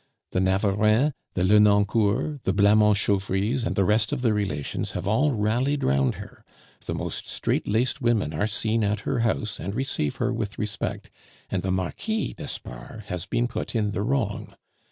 The Navarreins, the Lenoncourts, the Blamont Chauvrys, and the rest of the relations have all rallied round her; the most strait laced women are seen at her house, and receive her with respect, and the Marquis d'Espard has been put in the wrong.